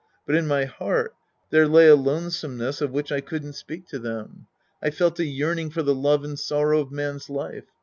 But in my heart there lay a lonesomeness of which I couldn't speak to them. I felt a yearning for the love and sorrow of m^n's life.